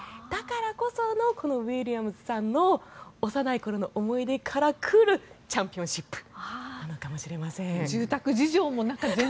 だからこそこのウィリアムズさんの幼い頃の思い出から来るチャンピオンシップなのかもしれません。